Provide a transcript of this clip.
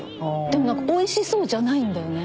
でもなんかおいしそうじゃないんだよね。